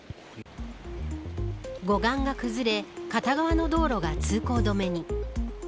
護岸が崩れ片側の道路が通行止めに。